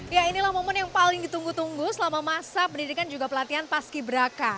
ya inilah momen yang paling ditunggu tunggu selama masa pendidikan juga pelatihan paski beraka